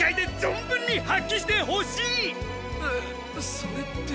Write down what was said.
それって。